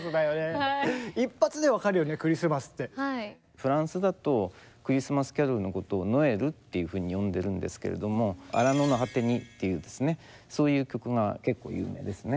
フランスだと「クリスマスキャロル」のことを「ノエル」っていうふうに呼んでるんですけれども「荒野の果てに」っていうですねそういう曲が結構有名ですね。